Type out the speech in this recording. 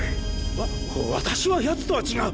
わ私はヤツとは違う！